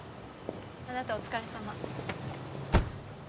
あなたお疲れさま。